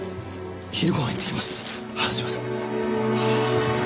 すいません。